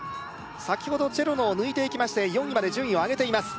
先ほどチェロノを抜いていきまして４位まで順位を上げています